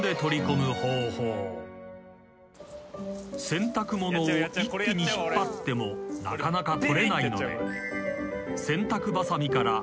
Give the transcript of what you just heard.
［洗濯物を一気に引っ張ってもなかなか取れないので］